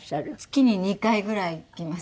月に２回ぐらい来ます。